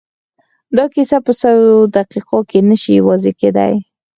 دا کيسه په څو دقيقو کې نه شي توضيح کېدای.